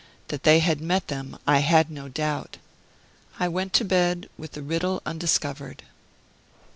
That they had met them I had no doubt. I went to bed with the riddle undiscovered.